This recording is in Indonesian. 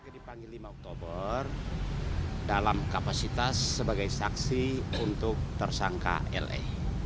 dipanggil lima oktober dalam kapasitas sebagai saksi untuk tersangka le